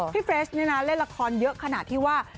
พี่เฟรชเล่นละครเยอะขนาดที่ว่า